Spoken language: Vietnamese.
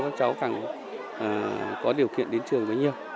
các cháu phải có điều kiện đến trường với nhiều